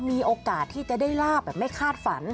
มีโอกาสที่จะได้ลาบแบบไม่คาดฝัน